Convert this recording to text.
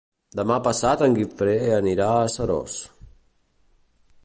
Demà passat en Guifré anirà a Seròs.